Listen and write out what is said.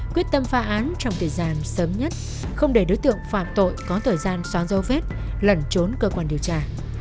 quyết tâm phá án trong thời gian sớm nhất không để đối tượng phạm tội có thời gian xóa dấu vết lẩn trốn cơ quan điều tra